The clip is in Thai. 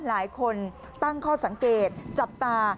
หลายคนตั้งข้อสังเกตจับตา